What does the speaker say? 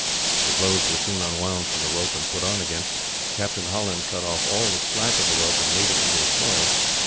The clothes were soon unwound from the rope, and put on again. Captain Holland cut off all the slack of the rope, and made it into a coil.